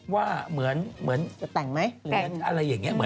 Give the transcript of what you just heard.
ว่าเหมือนจะแต่งไหม